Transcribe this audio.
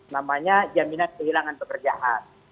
namanya jaminan kehilangan pekerjaan